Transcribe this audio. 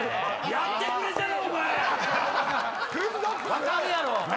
分かるやろ！